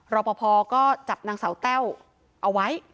รอปภก็จับนางสาวแต้วเอาไว้